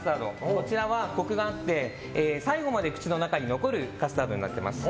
こちらはコクがあって最後まで口の中に残るカスタードになってます。